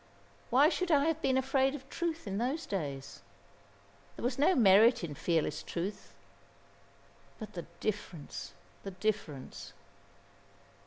Why should I have been afraid of truth in those days? There was no merit in fearless truth. But the difference, the difference!"